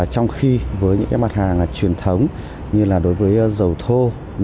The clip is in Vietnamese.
trong khi với những mặt hàng truyền thống như là đối với dầu thô